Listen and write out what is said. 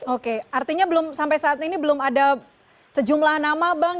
oke artinya sampai saat ini belum ada sejumlah nama bang